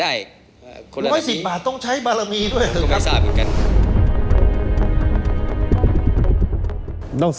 มีการที่จะพยายามติดศิลป์บ่นเจ้าพระงานนะครับ